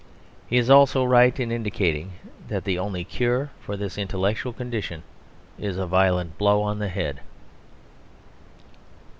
He is also right in indicating that the only cure for this intellectual condition is a violent blow on the head.